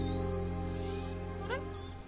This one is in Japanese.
あれ？